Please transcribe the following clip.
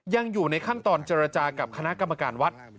ยังอยู่ในขั้นตอนเจรจากับคณะกรรมการวัด